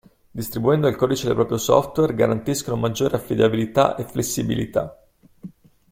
Distribuendo il codice del proprio software garantiscono maggiore affidabilità e flessibilità.